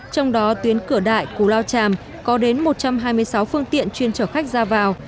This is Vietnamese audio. trong đó tuyến cửa đại cù lao tràm có đến một trăm hai mươi sáu phương tiện chuyên trở khách ra vào